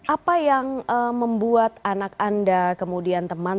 apa yang membuat anak anda kemudian teman